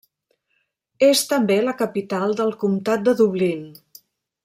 És també la capital del comtat de Dublín.